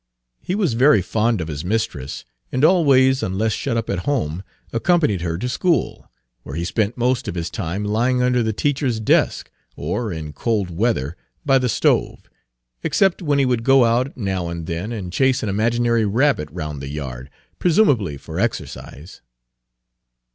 He was very fond of his mistress, and always, unless shut up at home, accompanied her to school, where he spent most of Page 278 his time lying under the teacher's desk or, in cold weather, by the stove, except when he would go out now and then and chase an imaginary rabbit round the yard, presumably for exercise.